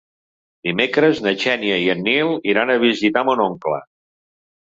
Dimecres na Xènia i en Nil iran a visitar mon oncle.